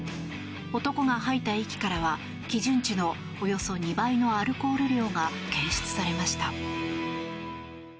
男が吐いた息からは基準値のおよそ２倍のアルコール量が検出されました。